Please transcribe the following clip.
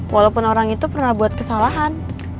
walaupun orang itu pernah buat kesalahan